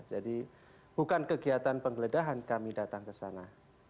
jadi bukan kegiatan penggeledahan kami datang ke sana